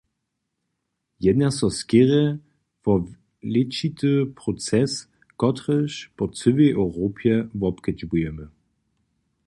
Jedna so skerje wo wlečity proces, kotryž po cyłej Europje wobkedźbujemy.